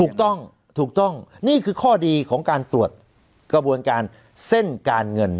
ถูกต้องถูกต้องนี่คือข้อดีของการตรวจกระบวนการเส้นการเงิน